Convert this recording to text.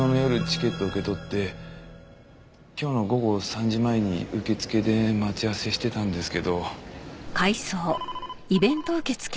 チケット受け取って今日の午後３時前に受付で待ち合わせしてたんですけど。